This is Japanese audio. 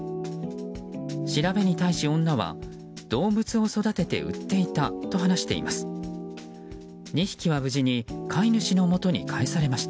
調べに対し、女は動物を育てて売っていたと話しています。